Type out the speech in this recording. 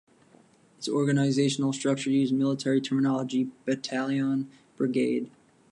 Its organizational structure uses military terminology: battalion, brigade.